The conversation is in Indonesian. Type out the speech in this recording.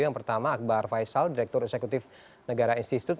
yang pertama akbar faisal direktur eksekutif negara institute